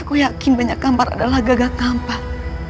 aku yakin banyak ngampar adalah gagak ngampar